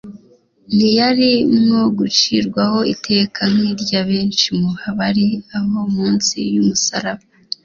ntiyari nwo gucirwaho iteka nk'irya benshi mu bari aho munsi y'umusaraba;